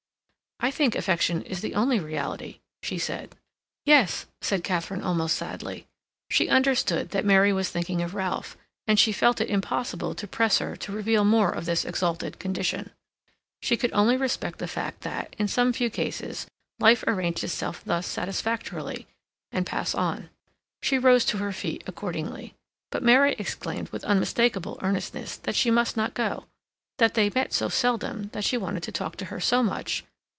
"I think affection is the only reality," she said. "Yes," said Katharine, almost sadly. She understood that Mary was thinking of Ralph, and she felt it impossible to press her to reveal more of this exalted condition; she could only respect the fact that, in some few cases, life arranged itself thus satisfactorily and pass on. She rose to her feet accordingly. But Mary exclaimed, with unmistakable earnestness, that she must not go; that they met so seldom; that she wanted to talk to her so much....